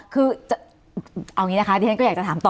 คือเอาอย่างนี้นะคะที่ฉันก็อยากจะถามต่อ